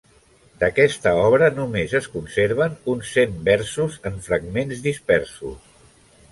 D'aquesta obra, només es conserven uns cent versos en fragments dispersos.